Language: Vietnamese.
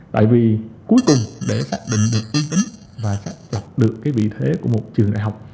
tại vì cuối cùng để xác định được uy tín và xác chặt được cái vị thế của một trường đại học